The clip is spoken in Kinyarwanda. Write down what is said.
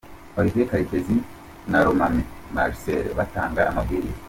Olivier Karekezi na Lomami Marcel batanga amabwiriza.